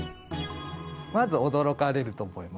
まず驚かれると思います。